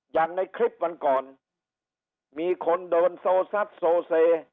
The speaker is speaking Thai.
อย่างในคลิปวันก่อนมีคนโดนโซซัดโซเซ